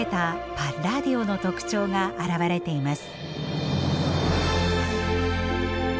パッラーディオの特徴があらわれています。